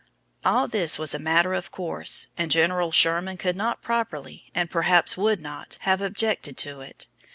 All this was a matter of course, and General Sherman could not properly, and perhaps would not, have objected to it.